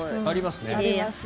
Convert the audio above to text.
ありますね。